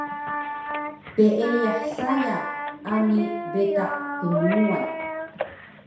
peeyah saya ani betaq knuwan